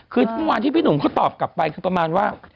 คือเมื่อวานที่พี่หนุ่มเขาตอบกลับไปคือประมาณว่า